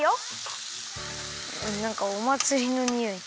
なんかおまつりのにおい。